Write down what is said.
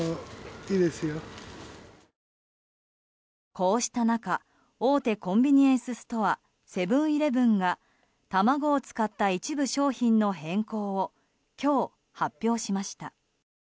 こうした中大手コンビニエンスストアセブン‐イレブンが卵を使った一部商品の変更を今日、発表しました。